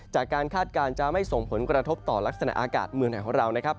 คาดการณ์จะไม่ส่งผลกระทบต่อลักษณะอากาศเมืองไทยของเรานะครับ